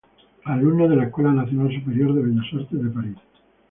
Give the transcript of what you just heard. Alumno de la Escuela Nacional Superior de Bellas Artes de París.